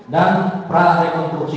dan pralara rekonstruksi